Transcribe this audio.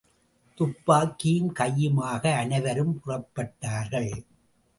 துப்பாக்கியும் கையுமாக அனைவரும் புறப்பட்டார்கள்.